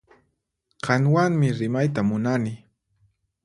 Qanwanmi rimayta munani